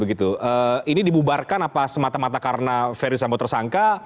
ini dibubarkan apa semata mata karena veris yang mau tersangka